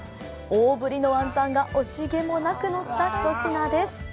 大ぶりのワンタンが惜しげもなくのったひと品です。